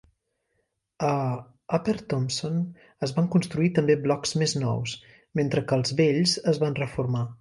A Upper Thomson es van construir també blocs més nous, mentre que els vells es van reformar.